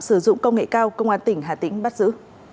sử dụng công nghệ cao công an tỉnh hà tĩnh bắt giữ